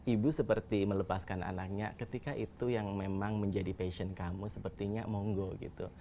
ibu seperti melepaskan anaknya ketika itu yang memang menjadi passion kamu sepertinya monggo gitu